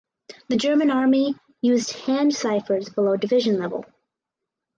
The German Army used hand ciphers below division level.